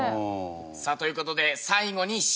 さあという事で最後にＣ。